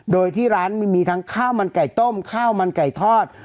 โดยที่ร้านมีทั้งข้าวมันไก่ต้มข้าวมันไก่ทอด